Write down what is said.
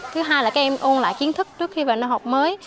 để các em ôn lại kiến thức trước khi vào năm học mới